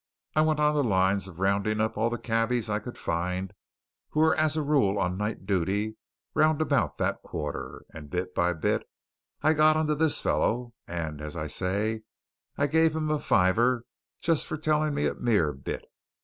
I went on the lines of rounding up all the cabbies I could find who were as a rule on night duty round about that quarter, and bit by bit I got on to this fellow, and, as I say, I gave him a fiver for just telling me a mere bit.